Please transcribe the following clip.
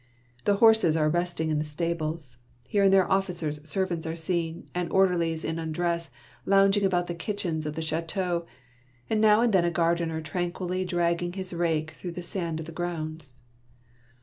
The horses are resting in the stables ; here and there officers' servants are seen, and orderlies in undress, lounging about the kitchens of the chateau, and now and then a gardener tranquilly dragging his rake through the sand of the grounds.